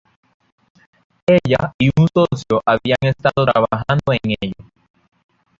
Ella y un socio habían estado trabajando en ello.